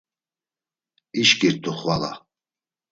İşǩirt̆u xvala.